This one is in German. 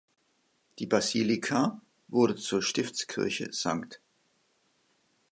Die „Basilica“ wurde zur Stiftskirche „St.